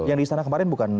yang di istana kemarin bukan